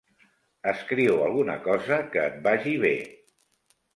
Escriu alguna cosa que et vagi bé.